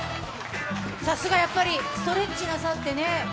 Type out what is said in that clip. さすがやっぱり、ストレッチなさってね。